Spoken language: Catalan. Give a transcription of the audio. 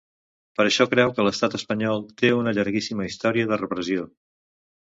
Per això creu que l’estat espanyol ‘té una llarguíssima història de repressió’.